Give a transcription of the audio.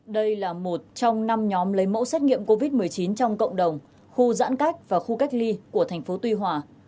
đây là một trong năm nhóm lấy mẫu xét nghiệm covid một mươi chín trong cộng đồng khu giãn cách và khu cách ly của thành phố tuy hòa